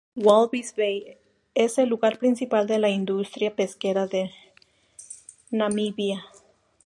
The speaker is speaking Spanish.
Walvis Bay es el lugar principal de la industria pesquera de Namibia.